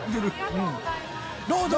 どうぞ。